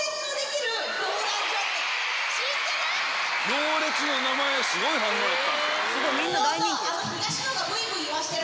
『行列』の名前にすごい反応やったんすよ。